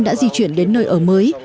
đã di chuyển đến nơi ở mới